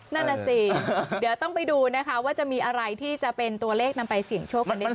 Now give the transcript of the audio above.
นั่นน่ะสิเดี๋ยวต้องไปดูนะคะว่าจะมีอะไรที่จะเป็นตัวเลขนำไปเสี่ยงโชคกันได้บ้าง